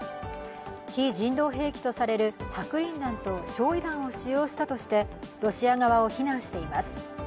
非人道兵器とされる白リン弾と焼い弾を使用したとしてロシア側を非難しています。